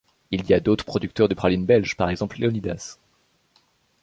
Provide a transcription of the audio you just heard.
Il y a d'autres producteurs de pralines belges, par exemple Léonidas.